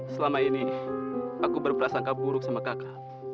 selama ini aku berperasaan kak buruk sama kaka